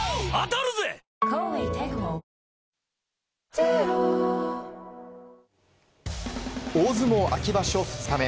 ＪＴ大相撲秋場所２日目。